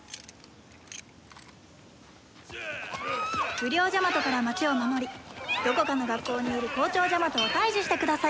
（不良ジャマトから町を守りどこかの学校にいる校長ジャマトを退治してください。